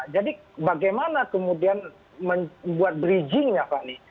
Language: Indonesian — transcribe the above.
jadi bagaimana kemudian membuat bridging ya fanny